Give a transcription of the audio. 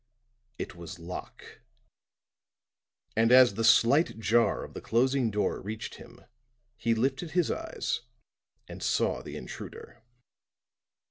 It was Locke; and as the slight jar of the closing door reached him he lifted his eyes and saw the intruder.